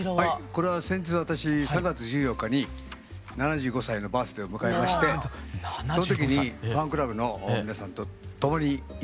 これは先日私３月１４日に７５歳のバースデーを迎えましてその時にファンクラブの皆さんと共にイベントやった時の写真です。